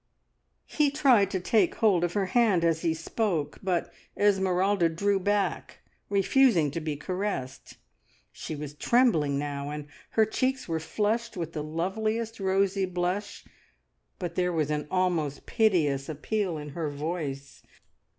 He tried to take hold of her hand as he spoke, but Esmeralda drew back, refusing to be caressed. She was trembling now, and her cheeks were flushed with the loveliest rosy blush, but there was an almost piteous appeal in her voice.